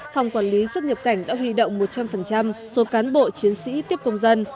phòng quản lý xuất nhập cảnh đã huy động một trăm linh số cán bộ chiến sĩ tiếp công dân